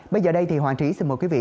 bây giờ đây thì hoàng trí xin mời quý vị